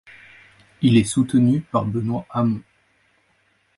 Il est soutenu par Benoît Hamon.